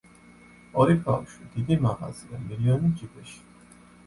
ორი ბავშვი, დიდი მაღაზია, მილიონი ჯიბეში.